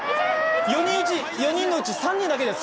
４人のうち３人だけです